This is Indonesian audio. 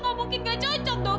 gak mungkin gak cocok dong